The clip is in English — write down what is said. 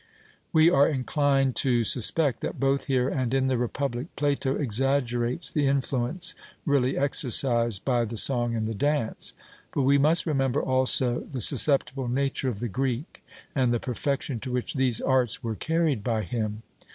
We are inclined to suspect that both here and in the Republic Plato exaggerates the influence really exercised by the song and the dance. But we must remember also the susceptible nature of the Greek, and the perfection to which these arts were carried by him.